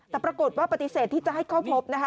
แต่ปรากฏว่าปฏิเสธที่จะให้เข้าพบนะคะ